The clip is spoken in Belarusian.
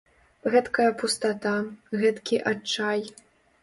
Гэткая пустата, гэткі адчай.